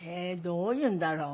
どういうんだろう？